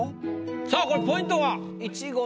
さあこれポイントは？